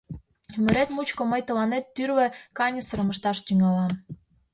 Ӱмырет мучко мый тыланет тӱрлӧ каньысырым ышташ тӱҥалам.